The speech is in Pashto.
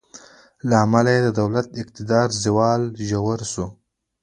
له امله یې د دولت د اقتدار زوال ژور شو.